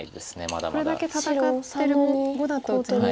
これだけ戦ってる碁だと全然。